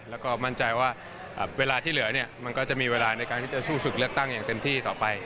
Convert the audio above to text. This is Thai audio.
แล้วก็มั่นใจว่าเวลาที่เหลือเนี่ยมันก็จะมีเวลาในการที่จะสู้ศึกเลือกตั้งอย่างเต็มที่ต่อไป